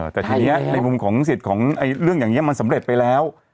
แต่ทีนี้ในมุมของสิทธิ์ของเรื่องอย่างนี้มันสำเร็จไปแล้ว